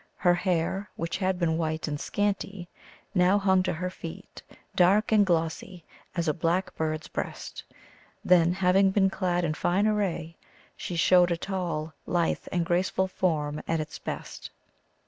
Her hair, which had been white and scanty, now hung to her feet, dark and glossy as a blackbird s breast. Then, having been clad in fine array, she showed a tall, lithe, and graceful form at its best.